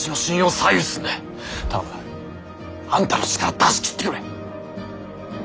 あんたの力出し切ってくれ！